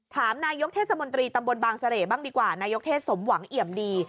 ถามนายกเทศมนตรีตำบลบางเสร่บ้างดีกว่านายกเทศสมหวังเอี่ยมดี